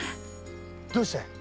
どうしたい？